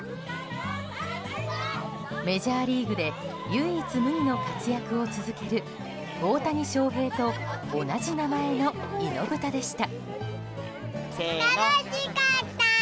メジャーリーグで唯一無二の活躍を続ける大谷翔平と同じ名前のイノブタでした。